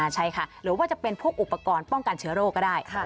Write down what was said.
ใช่ค่ะหรือว่าจะเป็นพวกอุปกรณ์ป้องกันเชื้อโรคก็ได้